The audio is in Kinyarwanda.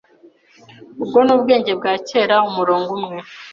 Ubwo ni ubwenge bwa kera, Umurongo umwe